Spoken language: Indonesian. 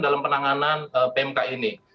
dalam penanganan pmk ini